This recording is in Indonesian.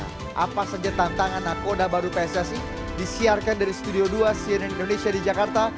nah apa saja tantangan nakoda baru pssi disiarkan dari studio dua cnn indonesia di jakarta